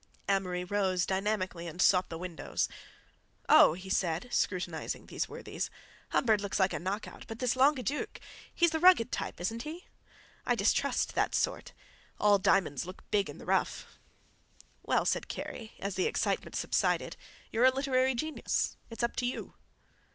Amory rose dynamically and sought the windows. "Oh," he said, scrutinizing these worthies, "Humbird looks like a knock out, but this Langueduc—he's the rugged type, isn't he? I distrust that sort. All diamonds look big in the rough." "Well," said Kerry, as the excitement subsided, "you're a literary genius. It's up to you."